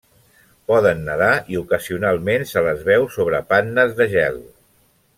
Poden nedar i ocasionalment se les veu sobre pannes de gel.